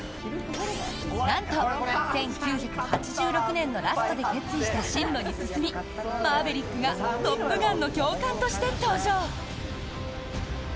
なんと、１９８６年のラストで決意した進路に進みマーヴェリックがトップガンの教官として登場！